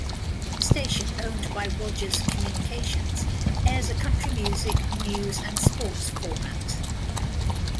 The station, owned by Rogers Communications, airs a country music, news and sports format.